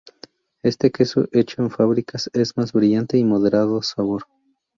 Este queso hecho en fábricas es más brillante y de moderado sabor.